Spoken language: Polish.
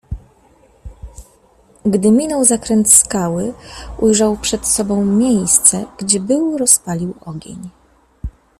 "Gdy minął zakręt skały ujrzał przed sobą miejsce, gdzie był rozpalił ogień."